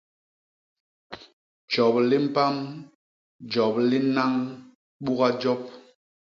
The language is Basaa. Jop li mpam, jop li nnañ, buga jop.